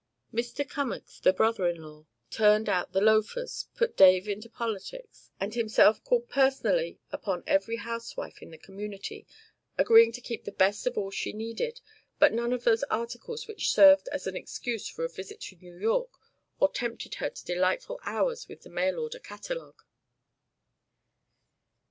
Mr. Cummack, the brother in law, turned out the loafers, put Dave into politics, and himself called personally upon every housewife in the community, agreeing to keep the best of all she needed, but none of those articles which served as an excuse for a visit to New York or tempted her to delightful hours with the mail order catalogue.